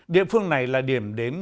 địa phương này là điểm đến